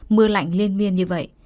mưa lạnh liên miên như vậy